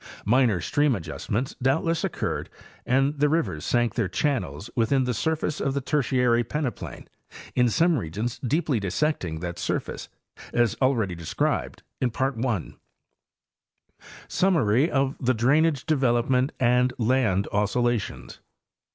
Minor stream adjustments doubtless occurred, and the rivers sank their channels within the surface of the Tertiary peneplain, in some regions deeply dissecting that surface, as already described in Part I) SUMMARY OF THE DRAINAGE DEVELOPMENT AND LAND OSCILLA TIONS.